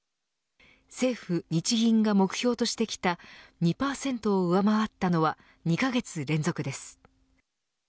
政府、日銀が目標としてきた２％を上回ったのは２カ月連続です。